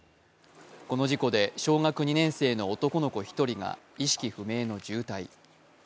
この事故で小学２年生の男の子１人が意識不明の重体。